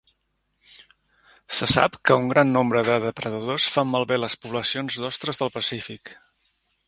Se sap que un gran nombre de depredadors fan malbé les poblacions d'ostres del Pacífic.